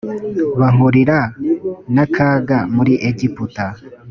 bahurira n akaga muri egiputa